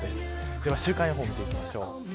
では週間予報を見ていきましょう。